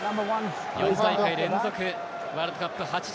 ４大会連続ワールドカップ出場。